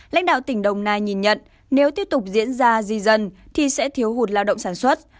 lãnh đạo tỉnh đồng nai nhìn nhận nếu tiếp tục diễn ra di dân thì sẽ thiếu hụt lao động sản xuất